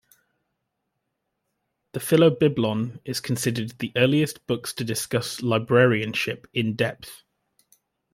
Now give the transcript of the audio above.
The "Philobiblon" is considered the earliest books to discuss librarianship in-depth.